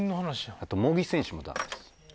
あと茂木選手もダメです。